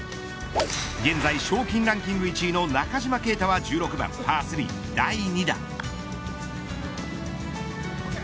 現在、賞金ランキング１位の中島啓太は、１６番パー３第２打。